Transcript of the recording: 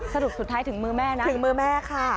สรุปสุดท้ายถึงมือแม่นะ